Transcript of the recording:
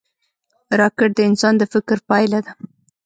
راکټ د انسان د فکر پایله ده